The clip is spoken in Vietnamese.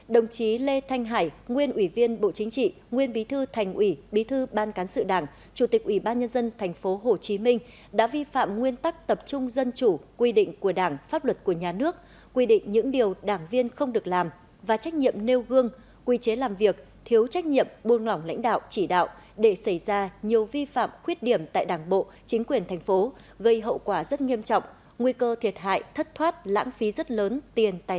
năm đồng chí lê thanh hải nguyên ủy viên bộ chính trị nguyên bí thư thành ủy bí thư ban cán sự đảng chủ tịch ủy ban nhân dân tp hcm đã vi phạm nguyên tắc tập trung dân chủ quy định của đảng pháp luật của nhà nước quy định những điều đảng viên không được làm và trách nhiệm nêu gương quy chế làm việc thiếu trách nhiệm buôn lỏng lãnh đạo chỉ đạo để xảy ra nhiều vi phạm khuyết điểm tại đảng bộ chính quyền thành phố gây hậu quả rất nghiêm trọng nguy cơ thiệt hại thất thoát lãng phí rất lớn ti